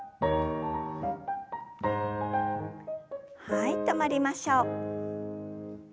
はい止まりましょう。